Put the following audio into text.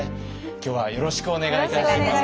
今日はよろしくお願いいたします。